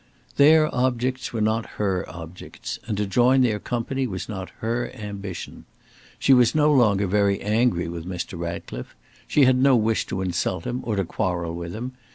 Their objects were not her objects, and to join their company was not her ambition. She was no longer very angry with Mr. Ratcliffe. She had no wish to insult him, or to quarrel with him.